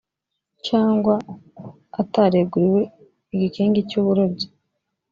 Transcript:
cyangwa atareguriwe igikingi cy uburobyi